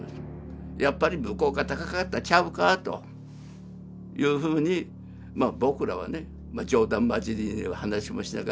やっぱり向こうが高かったんちゃうかというふうに僕らはね冗談交じりに話もしながら。